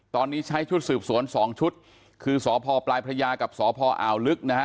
ตอนนี้ใช้ชุดสืบสวนสองชุดคือสพปลายพระยากับสพอ่าวลึกนะฮะ